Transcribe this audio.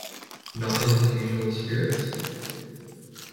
Not in his usual spirits?